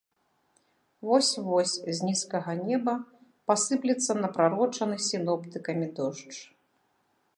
Вось-вось з нізкага неба пасыплецца напрарочаны сіноптыкамі дождж.